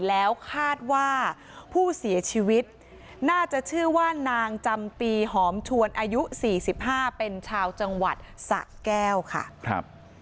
แล้วคาดว่าผู้เสียชีวิตน่าจะชื่อว่านางจำปีหอมชวนอายุ๔๕เป็นชาวจังหวัดสะแก้วค่ะครับ